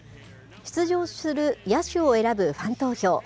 出場する野手を選ぶファン投票。